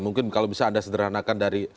mungkin kalau bisa anda sederhanakan dari